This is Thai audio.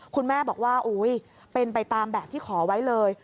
คุณแม่บอกว่าอุ๊ยเป็นไปตามแบบที่ขอไว้เลย